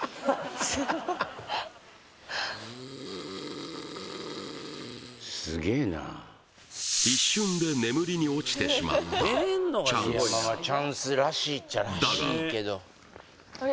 すごいすげえな一瞬で眠りに落ちてしまったチャンスだがあれ？